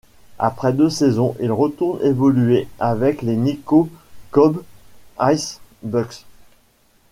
Après deux saisons, il retourne évoluer avec les Nikko Kobe IceBucks.